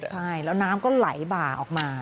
ใช่แล้วน้ำก็ไหลบ่าออกมา